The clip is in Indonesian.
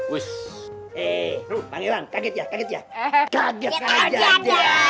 oh he network pangeran kaget ya kecil jaga pickle hahaha